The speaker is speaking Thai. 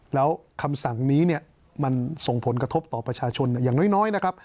แล้วคำสั่งนี้เนี่ยมันส่งผลกระทบต่อประชาชนอย่างน้อยนะครับ